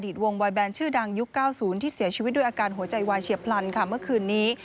อดีตวงบอยด์แบรนด์ชื่อดังยุคเก้าศูนย์ที่เสียชีวิตด้วยอาการหัวใจวายเฉียบพลันค่ะเมื่อคืนนี้